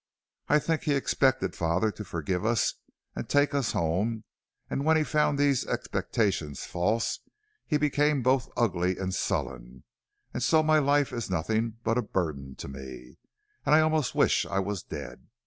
I think he expected father to forgive us and take us home, and when he found these expectations false he became both ugly and sullen, and so my life is nothing but a burden to me, and I almost wish I was dead.